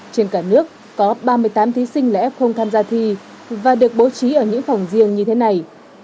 trên cả nước có ba mươi tám thí sinh là f không tham gia thi và được bố trí ở những phòng riêng như thế này